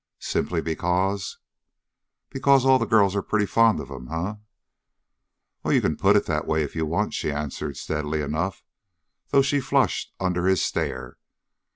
Simply because " "Because all the girls are pretty fond of him, eh?" "You can put it that way if you want," she answered steadily enough, though she flushed under his stare.